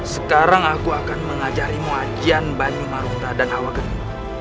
sekarang aku akan mengajarimu ajian banyu marungta dan hawa geni